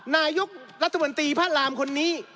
นายกรัฐบาลอุตสาหกรรมพระรามคนนี้